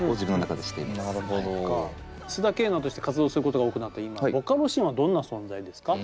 須田景凪として活動することが多くなった今ボカロシーンはどんな存在ですか？